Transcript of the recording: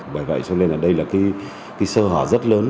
vậy vậy cho nên đây là cái sơ hỏa rất lớn